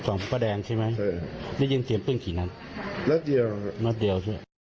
ส่องพระแดงใช่ไหมได้ยินเสียงเพิ่งกี่นั้นนัดเดียวครับนัดเดียว